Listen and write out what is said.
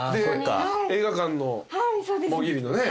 映画館のもぎりのね。